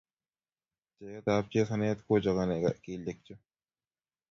cheet ap chesanet kochokanee keliek chuu